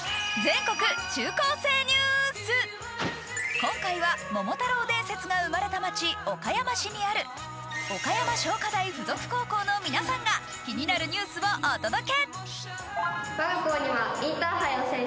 今回は、桃太郎伝説が生まれた街、岡山市にある岡山商科大附属高校の皆さんが気になるニュースをお届け。